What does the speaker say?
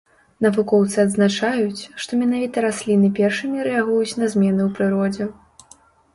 Навукоўцы адзначаюць, што менавіта расліны першымі рэагуюць на змены ў прыродзе.